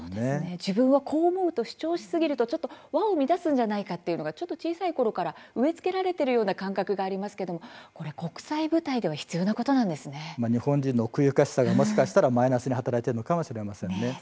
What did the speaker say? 自分がこう思うと主張しすぎると輪を乱すのではないかと小さいころから植え付けられているような感じもしますけれども国際舞台では日本人の奥ゆかしさがもしかしたらマイナスに働いているのかもしれませんね。